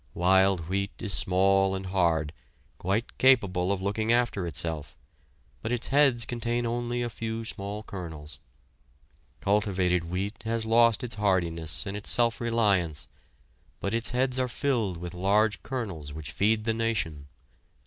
Wild wheat is small and hard, quite capable of looking after itself, but its heads contain only a few small kernels. Cultivated wheat has lost its hardiness and its self reliance, but its heads are filled with large kernels which feed the nation.